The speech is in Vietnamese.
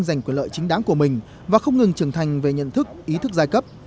giành quyền lợi chính đáng của mình và không ngừng trưởng thành về nhận thức ý thức giai cấp